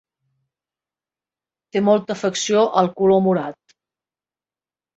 Té molta afecció al color morat.